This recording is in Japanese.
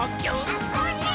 あ、それっ！